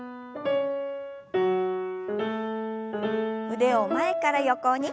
腕を前から横に。